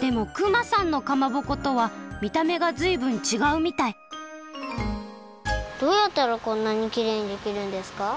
でも熊さんのかまぼことはみためがずいぶんちがうみたいどうやったらこんなにきれいにできるんですか？